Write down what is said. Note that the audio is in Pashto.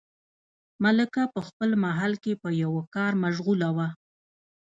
ملکه په خپل محل کې په یوه کار مشغوله وه.